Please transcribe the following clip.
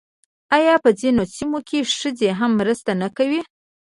آیا په ځینو سیمو کې ښځې هم مرسته نه کوي؟